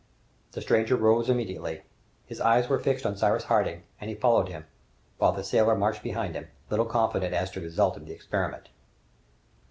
The stranger rose immediately. His eyes were fixed on Cyrus Harding, and he followed him, while the sailor marched behind them, little confident as to the result of the experiment.